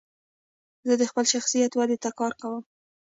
زه د خپل شخصیت ودي ته کار کوم.